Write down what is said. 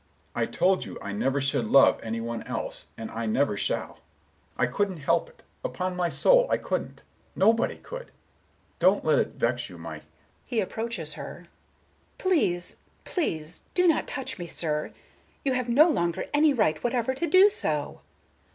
I told you I never should love any one else, and I never shall. I couldn't help it; upon my soul, I couldn't. Nobody could. Don't let it vex you, my"—He approaches her. Miss Galbraith: "Please not touch me, sir! You have no longer any right whatever to do so."